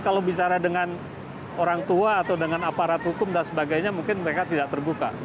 kalau bicara dengan orang tua atau dengan aparat hukum dan sebagainya mungkin mereka tidak terbuka